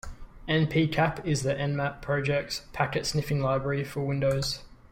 Npcap is the Nmap Project's packet sniffing library for Windows.